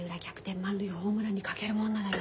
満塁ホームランに賭けるもんなのよ。